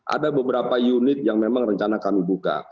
ada beberapa unit yang memang rencana kami buka